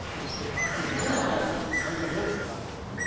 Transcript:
ハラミちゃんどうでしたか？